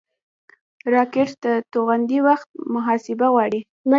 راکټ د توغونې وخت محاسبه غواړي